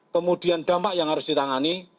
kemudian dampak yang harus ditangani